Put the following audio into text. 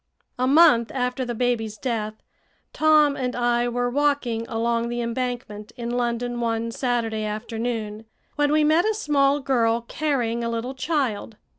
A month after the baby's death, Tom and I were walking along the Embankment in London one Saturday afternoon, when we met a small girl carrying a little child.